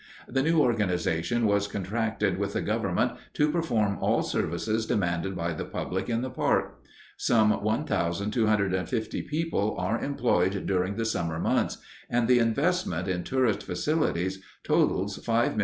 The new organization has contracted with the government to perform all services demanded by the public in the park. Some 1,250 people are employed during the summer months, and the investment in tourist facilities totals $5,500,000.